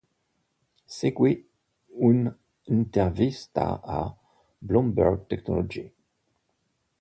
Seguì un'intervista a "Bloomberg Technology".